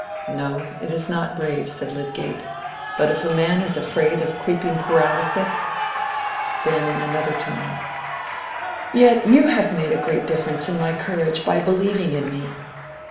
"No, it is not brave," said Lydgate, "but if a man is afraid of creeping paralysis?" Then, in another tone, "Yet you have made a great difference in my courage by believing in me.